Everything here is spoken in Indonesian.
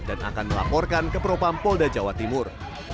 dan akan melaporkan ke propampolda jawa timur